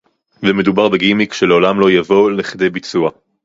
ומדובר בגימיק שלעולם לא יבוא לכדי ביצוע